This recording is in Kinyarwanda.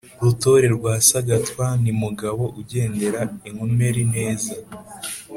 Rutore rwa Sagatwa ni Mugabo ugendera inkomeri neza